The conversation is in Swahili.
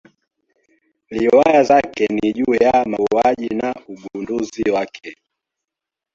Riwaya zake ni juu ya mauaji na ugunduzi wake.